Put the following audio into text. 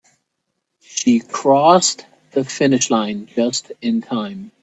She crossed the finish line just in time.